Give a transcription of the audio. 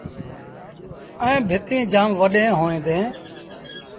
ائيٚݩ ڀتيٚن جآم وڏيݩ اوهيݩ۔